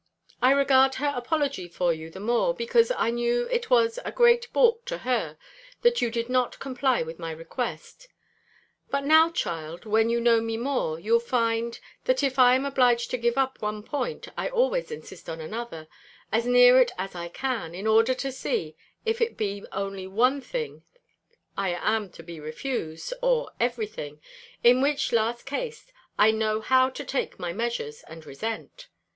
I regard her apology for you the more, because I knew it was a great baulk to her, that you did not comply with my request. But now, child, when you know me more, you'll find, that if I am obliged to give up one point, I always insist on another, as near it as I can, in order to see if it be only one thing I am to be refused, or every thing; in which last case, I know how to take my measures, and resent.